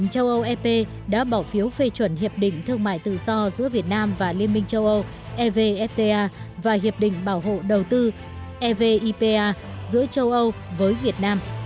châu âu ep đã bỏ phiếu phê chuẩn hiệp định thương mại tự do giữa việt nam và liên minh châu âu evfta và hiệp định bảo hộ đầu tư evipa giữa châu âu với việt nam